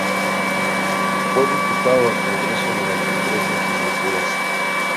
Fue diputado al Congreso durante tres legislaturas.